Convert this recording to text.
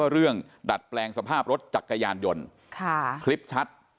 เรื่องดัดแปลงสภาพรถจักรยานยนต์คลิปชัด